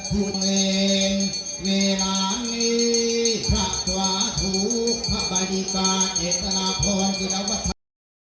พุทธเงินเมนานี้สัตวาทุกข์พระบาดีกาเอกตราพรจิตวศาสตร์